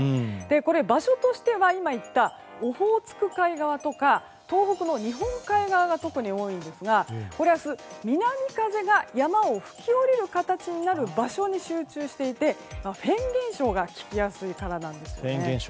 これ、場所としては今言ったオホーツク海側とか東北の日本海側が特に多いんですが明日、南風が山を吹き降りる形になる場所に集中していてフェーン現象が起きやすいからなんです。